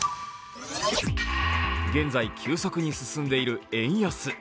現在、急速に進んでいる円安。